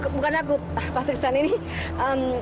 sebenernya bu nostri kan hina